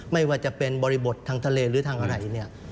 ไม่ว่าจะเป็นบริบททางทะเลหรือทางอะไรเนี่ย